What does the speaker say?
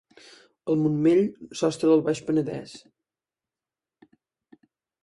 El Montmell, sostre del Baix Penedès.